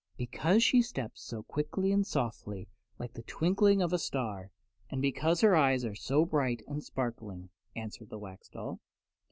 "Because she steps so quickly and so softly, like the twinkling of a star, and because her eyes are so bright and sparkling," answered the Wax Doll.